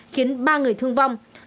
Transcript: khiến ba người thương vong